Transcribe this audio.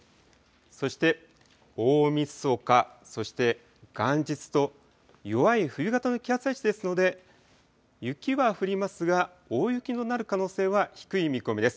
そして大みそか、そして元日と、弱い冬型の気圧配置ですので、雪は降りますが、大雪となる可能性は低い見込みです。